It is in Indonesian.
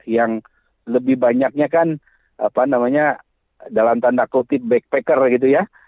yang lebih banyaknya kan dalam tanda kutip backpacker gitu ya